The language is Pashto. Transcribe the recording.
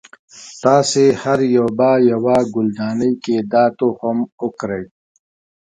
تاسې هر یو به یوه ګلدانۍ کې دا تخم وکری.